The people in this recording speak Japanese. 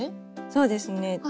そうですね。